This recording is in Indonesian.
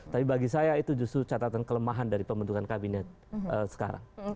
tapi bagi saya itu justru catatan kelemahan dari pembentukan kabinet sekarang